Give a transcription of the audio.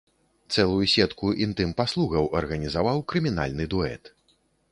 Цэлую сетку інтым-паслугаў арганізаваў крымінальны дуэт.